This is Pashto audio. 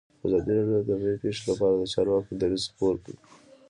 ازادي راډیو د طبیعي پېښې لپاره د چارواکو دریځ خپور کړی.